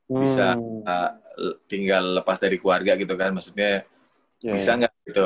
bisa tinggal lepas dari keluarga gitu kan maksudnya bisa nggak gitu